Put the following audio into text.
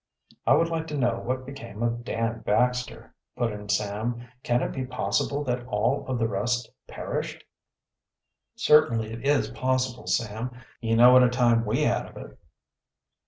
"I would like to know what became of Dan Baxter," put in Sam. "Can it be possible that all of the rest perished?" "Certainly it is possible, Sam. You know what a time we had of it."